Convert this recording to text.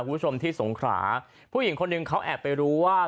คุณผู้ชมที่สงขราผู้หญิงคนหนึ่งเขาแอบไปรู้ว่า